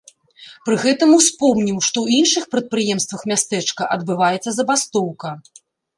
Пры гэтым успомніў, што ў іншых прадпрыемствах мястэчка адбываецца забастоўка.